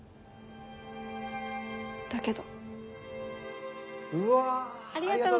だけど。